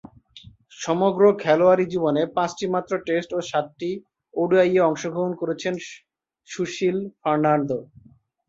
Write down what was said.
সমগ্র খেলোয়াড়ী জীবনে পাঁচটিমাত্র টেস্ট ও সাতটি ওডিআইয়ে অংশগ্রহণ করেছেন সুশীল ফার্নান্দো।